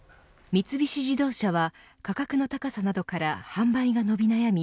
三菱自動車は価格の高さなどから販売が伸び悩み